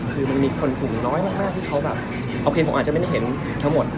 คือมันมีคนกลุ่มน้อยมากที่เขาแบบโอเคผมอาจจะไม่ได้เห็นทั้งหมด